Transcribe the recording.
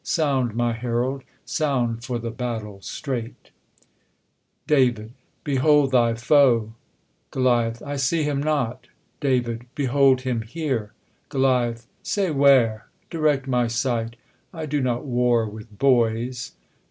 Sound, my herald, Sound for the battle straight ! Dav, Behold thy foe ! GoL I see him not. Dav, Behold him here ! GoL Say, where ! Direct my sight. I do not war with boys.